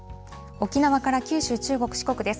沖縄から九州、中国、四国です。